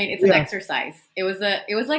ini seperti latihan delapan bulan